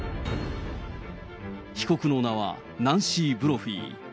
被告の名はナンシー・ブロフィー。